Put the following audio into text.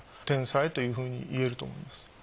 天才というふうにいえると思います。